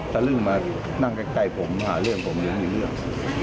ตะลึ่งมานั่งใกล้ผมมาหาเรื่องผมยังไม่มีเรื่อง